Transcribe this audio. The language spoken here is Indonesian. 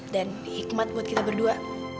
dan hikmat buat kita berdua